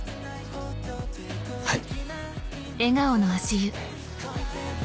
はい。